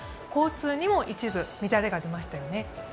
交通にも一部乱れが出ましたよね。